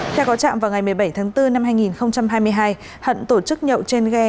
theo có trạm vào ngày một mươi bảy tháng bốn năm hai nghìn hai mươi hai hận tổ chức nhậu trên ghe